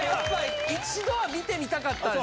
一度は見てみたかったんです